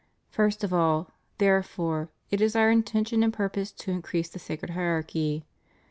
First of all, therefore, it is Our intention and purpose to increase the sacred hierarchy.